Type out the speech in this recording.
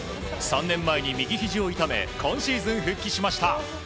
３年前に右ひじを痛め今シーズン復帰しました。